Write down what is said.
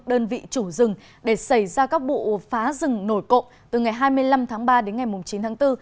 đơn vị chủ rừng để xảy ra các vụ phá rừng nổi cộ từ ngày hai mươi năm tháng ba đến ngày chín tháng bốn